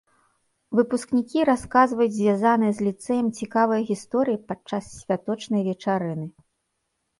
Выпускнікі расказваюць звязаныя з ліцэем цікавыя гісторыі падчас святочнай вечарыны.